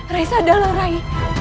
rai sadarlah rai